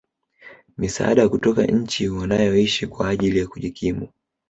misaada kutoka nchi wanayoishi kwa ajili ya kujikimu